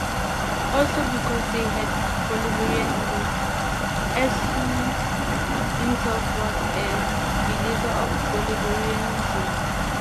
Also because they had Bolivarian roots, as he himself was a believer of Bolivarianism.